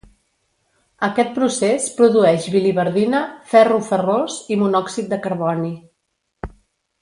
Aquest procés produeix biliverdina, ferro ferrós, i monòxid de carboni.